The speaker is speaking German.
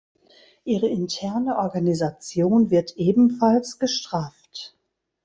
Ihre interne Organisation wird ebenfalls gestrafft.